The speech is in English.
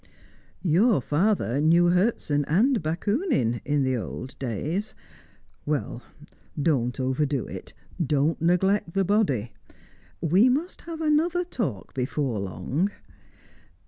"Your father knew Herzen and Bakounine, in the old days. Well, don't overdo it; don't neglect the body. We must have another talk before long."